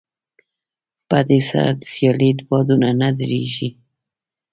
په دې سره د سيالۍ بادونه نه درېږي.